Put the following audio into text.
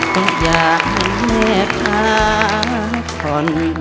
ก็อย่าให้พาผ่อน